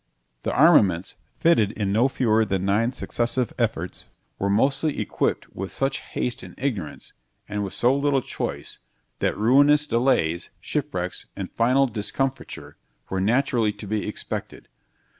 The armaments, fitted in no fewer than nine successive efforts, were mostly equipped with such haste and ignorance, and with so little choice, that ruinous delays, shipwrecks, and final discomfiture, were naturally to be expected.